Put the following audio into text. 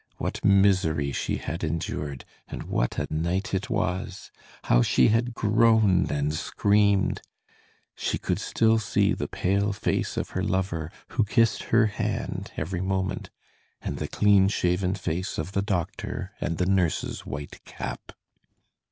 What misery she had endured, and what a night it was! How she had groaned and screamed! She could still see the pale face of her lover, who kissed her hand every moment, and the clean shaven face of the doctor and the nurse's white cap.